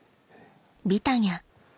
ビタニャ。